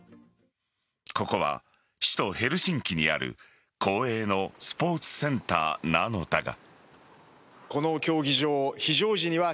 ここは、首都・ヘルシンキにある公営のスポーツセンターなのだが。